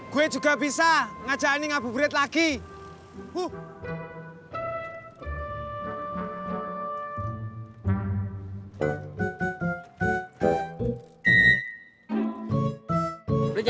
tempat untuk tarik tulis bayi cheese